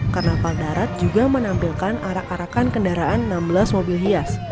karnaval darat juga menampilkan arak arakan kendaraan enam belas mobil hias